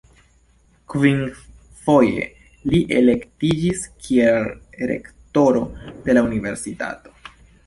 Kvinfoje li elektiĝis kiel rektoro de la universitato.